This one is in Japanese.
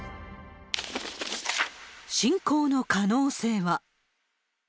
侵攻の可能性は。